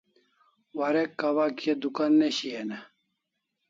Warek kawa kia dukan ne shian e?